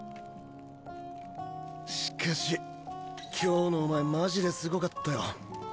しかし今日のお前マジですごかったよ。